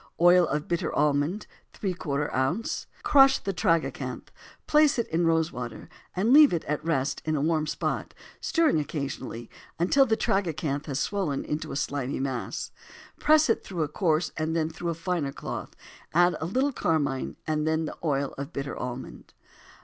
Oil of bitter almond ¾ oz. Crush the tragacanth, place it in the rose water, and leave it at rest in a warm spot, stirring occasionally, until the tragacanth has swollen to a slimy mass. Press it first through a coarse and then through a finer cloth, add a little carmine and the oil of bitter almond.